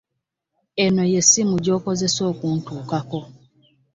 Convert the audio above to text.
Eno y'essimu gy'okozesa okuntuukako.